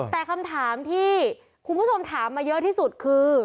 แต่คำถามที่คุณผู้ชมถามมาเยอะที่สุดคือ